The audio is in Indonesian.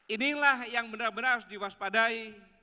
inilah yang benar benar harus diwaspadai